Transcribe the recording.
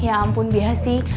ya ampun biasi